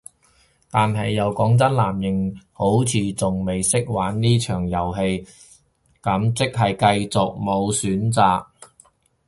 但係又講真，藍營好似仲未識玩呢場遊戲，咁即係繼續無選擇